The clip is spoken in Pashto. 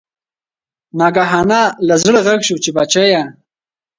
ناګهانه له زړه غږ شو چې بچیه!